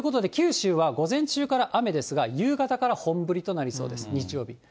ということで、九州は午前中から雨ですが、夕方から本降りとなりそうです、日曜日。